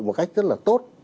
một cách rất là tốt